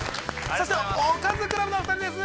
◆そして、おかずクラブのお二人です。